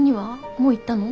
もう言ったの？